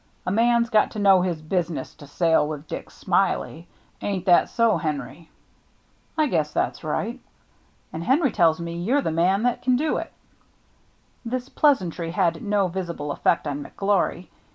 A man's got to know his business to sail with Dick Smiley. Ain't that so, Henry?" " I guess that's right." " And Henry tells me you're the man that can do it." This pleasantry had no visible effect on McGlory.